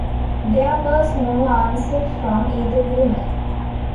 There was no answer from either woman.